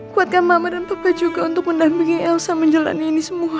kuatkan mama dan tuka juga untuk mendampingi elsa menjalani ini semua